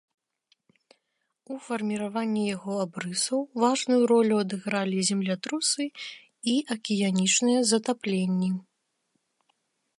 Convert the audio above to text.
У фарміраванні яго абрысаў важную ролю адыгралі землятрусы і акіянічныя затапленні.